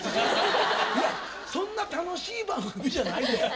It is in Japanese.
いやそんな楽しい番組じゃないで。